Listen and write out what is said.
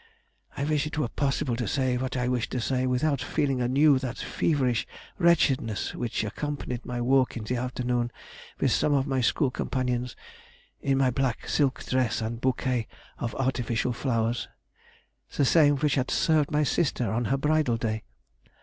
I wish it were possible to say what I wish to say, without feeling anew that feverish wretchedness which accompanied my walk in the afternoon with some of my school companions, in my black silk dress and bouquet of artificial flowers—the same which had served my sister on her bridal day.